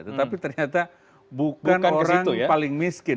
tetapi ternyata bukan orang paling miskin